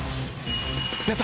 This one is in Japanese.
出た！